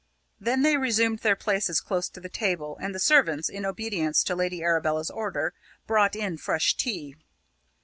Then they resumed their places close to the table, and the servants, in obedience to Lady Arabella's order, brought in fresh tea.